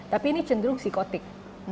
tapi ini cenderung psikotik